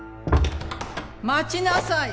待ちなさい。